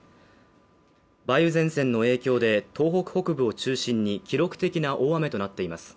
梅雨前線の影響で、東北北部を中心に記録的な大雨となっています。